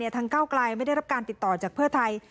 ทางก้าวกลายไม่ได้รับการติดต่อจากเพื่อไทย